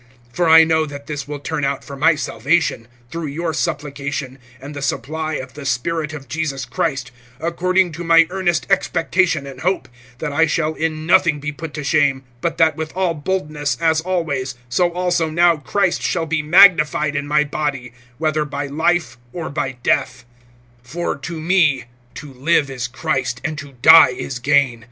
(19)For I know that this will turn out for my salvation, through your supplication, and the supply of the Spirit of Jesus Christ; (20)according to my earnest expectation and hope, that I shall in nothing be put to shame, but that with all boldness, as always, so also now Christ shall be magnified in my body, whether by life, or by death. (21)For to me to live is Christ, and to die is gain.